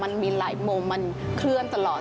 มันมีหลายมุมมันเคลื่อนตลอด